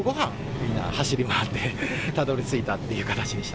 みんな走り回って、たどりついたっていう形でした。